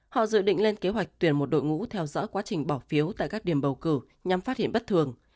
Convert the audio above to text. họ dự định lên kế hoạch tuyển một đội ngũ theo dõi quá trình bỏ phiếu tại các điểm bầu cử nhằm phát hiện bất thường